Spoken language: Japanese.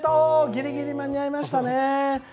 ギリギリ間に合いましたね。